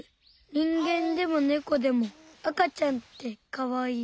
人間でもネコでもあかちゃんってかわいい。